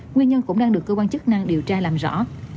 nguyên nhân cũng đang được cơ quan chức năng điều tra làm rõ